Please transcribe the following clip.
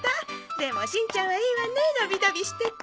でもしんちゃんはいいわねのびのびしてて。